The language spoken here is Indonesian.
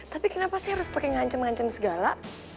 tapi kenapa sih harus pakai ngancem ngancem segala